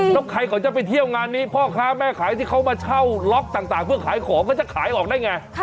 แล้วใครเขาจะไปเที่ยวงานนี้พ่อค้าแม่ขายที่เขามาเช่าล็อกต่างเพื่อขายของก็จะขายออกได้ไง